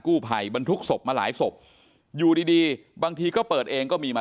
ภัยบรรทุกศพมาหลายศพอยู่ดีดีบางทีก็เปิดเองก็มีมา